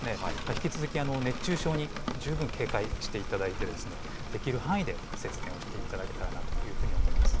引き続き熱中症に十分警戒していただいて、できる範囲で節電をしていただけたらなと思います。